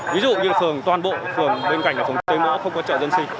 ví dụ như phường toàn bộ phường bên cạnh là phường tây mỡ không có chợ dân sinh